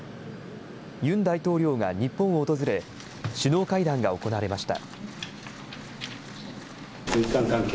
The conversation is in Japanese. ユン大統領が日本を訪れ、首脳会談が行われました。